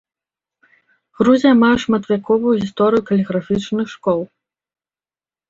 Грузія мае шматвяковую гісторыю каліграфічных школ.